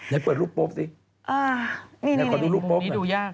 นายเปิดรูปป๊อปสินายควรดูรูปป๊อปไหมนี่ผมนี้ดูยาก